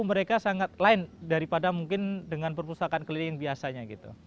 mereka sangat lain daripada mungkin dengan perpustakaan keliling biasanya